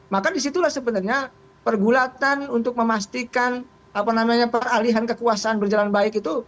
maka disitulah sebenarnya pergulatan untuk memastikan peralihan kekuasaan berjalan baik itu